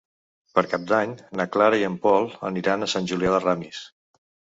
Per Cap d'Any na Clara i en Pol aniran a Sant Julià de Ramis.